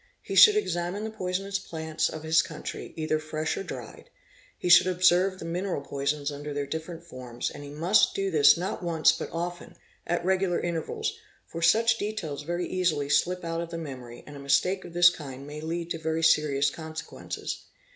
He should examine the poisonous plants of his country, either fresh or dried; ye POISONING — 655 he should observe the mineral poisons under their different forms, and he must do this not once but often, at regular intervals, for such details very easily slip out: of the memory and a mistake of this kind may lead to very serious consequences.